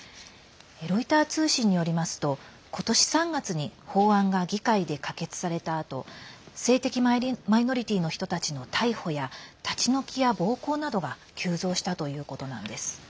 ロイター通信によりますと今年３月に法案が議会で可決されたあと性的マイノリティーの人たちの逮捕や立ち退きや暴行などが急増したということです。